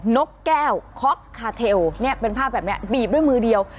นกแก้วคอปคาเทลเป็นภาพแบบนี้บีบด้วยมือเดียว